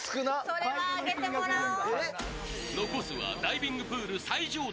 それは上げてもらおう。